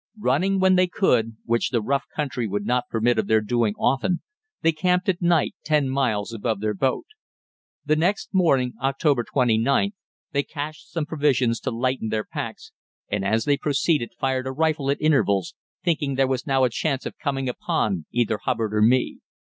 Running when they could, which the rough country would not permit of their doing often, they camped at night ten miles above their boat. The next morning (October 29th) they cached some provisions to lighten their packs, and as they proceeded fired a rifle at intervals, thinking there was now a chance of coming upon either Hubbard or me.